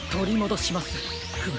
フム！